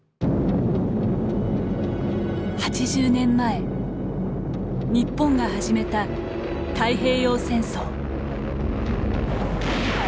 ８０年前日本が始めた太平洋戦争。